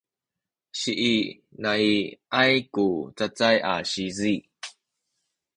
siinai’ay ku cacay a sizi